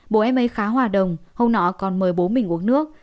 bố em ấy khá hòa đồng hôm nọ còn mời bố mình uống nước